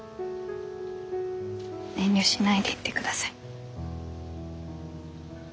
遠慮しないで言ってください。